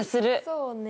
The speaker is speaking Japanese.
そうね。